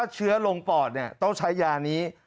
เชื้อลงปอดต้องใช้ยานี้